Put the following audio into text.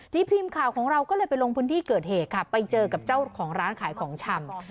ทีมข่าวของเราก็เลยไปลงพื้นที่เกิดเหตุค่ะไปเจอกับเจ้าของร้านขายของชำ